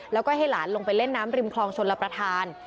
แล้วก็ให้หลานลงไปเล่นน้ำริมคลองชนรับประทาน